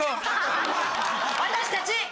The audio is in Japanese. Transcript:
私たち。